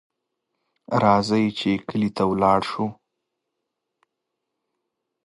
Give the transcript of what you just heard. راځئ چې کلي ته لاړ شو